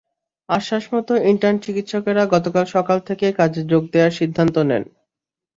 আশ্বাসমতো intern চিকিৎসকেরা গতকাল সকাল থেকে কাজে যোগ দেওয়ার সিদ্ধান্ত নেন।